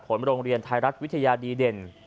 ประธานเจ้าหน้าที่บริหารธุรกิจ